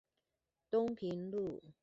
東平路